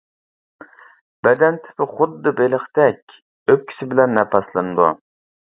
بەدەن تىپى خۇددى بېلىقتەك، ئۆپكىسى بىلەن نەپەسلىنىدۇ.